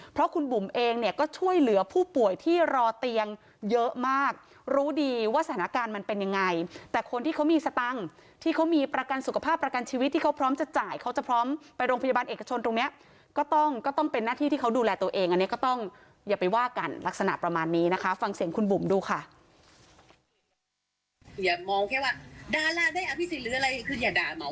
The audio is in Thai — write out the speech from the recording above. เพราะคุณบุ๋มเองเนี่ยก็ช่วยเหลือผู้ป่วยที่รอเตียงเยอะมากรู้ดีว่าสถานการณ์มันเป็นยังไงแต่คนที่เขามีสตังค์ที่เขามีประกันสุขภาพประกันชีวิตที่เขาพร้อมจะจ่ายเขาจะพร้อมไปโรงพยาบาลเอกชนตรงนี้ก็ต้องก็ต้องเป็นหน้าที่ที่เขาดูแลตัวเองอันนี้ก็ต้องอย่าไปว่ากันลักษณะประมาณนี้นะคะฟังเสียงคุณบุ๋มดูค่ะ